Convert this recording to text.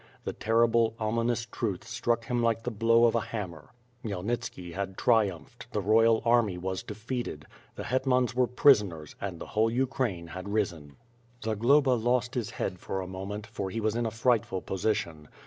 The terrible, ominous truth struck him like the blow of a hammer. Khmyelnitski had trumphed; the royal army was defeated; the hetmans were prisoners, and the whole Ularaine had risen. Zagloba lost his head for a moment, for he was in a fright ful position.